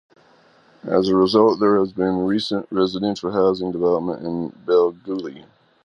As a result, there has been recent residential housing development in Belgooly.